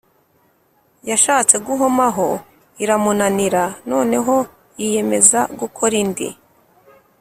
yashatse guhomahoma iramunanira noneho yiyemeza gukora indi